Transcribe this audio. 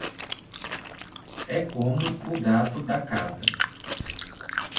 É como o gato da casa.